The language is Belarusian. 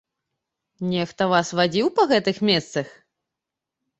Нехта вас вадзіў па гэтых месцах?